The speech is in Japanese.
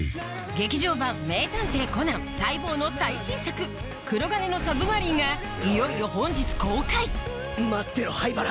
劇場版『名探偵コナン』待望の最新作『黒鉄の魚影』がいよいよ本日公開待ってろ灰原。